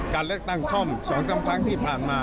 การเลือกตั้งซ่อม๒๓ครั้งที่ผ่านมา